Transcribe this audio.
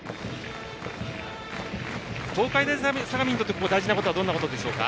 東海大相模にとって大事なことはどんなことでしょうか。